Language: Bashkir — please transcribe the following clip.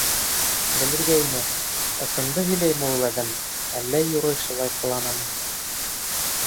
— Белергә ине, ысынды һөйләйме ул әҙәм, әллә юрый шулай ҡыланамы?